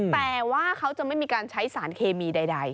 แต่ว่าเขาจะไม่มีการใช้สารเคมีใด